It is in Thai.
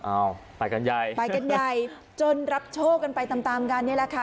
เอาไปกันใหญ่ไปกันใหญ่จนรับโชคกันไปตามตามกันนี่แหละค่ะ